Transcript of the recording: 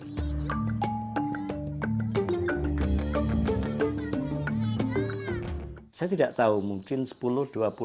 keturunan penduduk asli dieng yang melakukan endogami